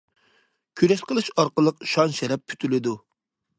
كۈرەش قىلىش ئارقىلىق شان- شەرەپ پۈتۈلىدۇ.